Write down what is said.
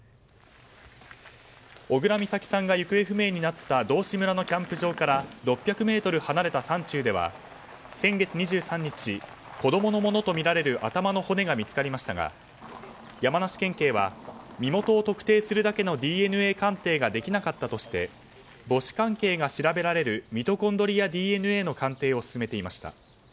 小倉美咲さんが行方不明になった道志村のキャンプ場から６００ｍ離れた山中では先月２３日子供のものとみられる頭の骨が見つかりましたが山梨県警は身元を特定するだけのＤＮＡ鑑定ができなかったとして母子関係が調べられるミトコンドリアＤＮＡの鑑定を進めていました。